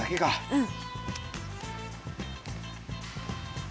うん！